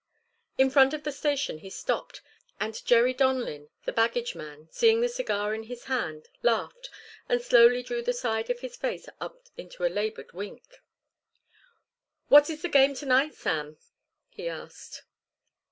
In front of the station he stopped; and Jerry Donlin, the baggage man, seeing the cigar in his hand, laughed, and slowly drew the side of his face up into a laboured wink. "What is the game to night, Sam?" he asked.